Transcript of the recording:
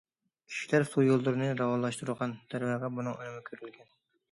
كىشىلەر سۇ يوللىرىنى راۋانلاشتۇرغان، دەرۋەقە بۇنىڭ ئۈنۈمى كۆرۈلگەن.